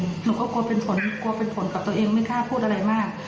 ลาออกเองเลยลาออกเองเลยหนูก็กลัวเป็นผลกับตัวเองไม่กล้าพูดอะไรมาก